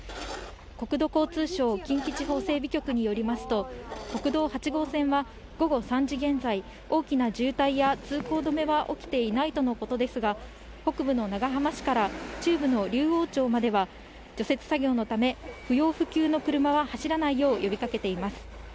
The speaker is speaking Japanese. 国土交通省近畿地方整備局によりますと、国道８号線は、午後３時現在、大きな渋滞や通行止めは起きていないとのことですが、北部の長浜市から中部の竜王町までは、除雪作業のため、不要不急の車は走らないよう呼びかけています。